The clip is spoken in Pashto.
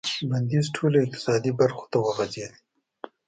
بندیز ټولو اقتصادي برخو ته وغځېد.